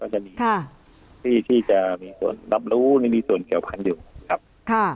ก็จะมีที่ที่จะมีส่วนรับรู้มีส่วนเกี่ยวพันธุ์อยู่ครับค่ะ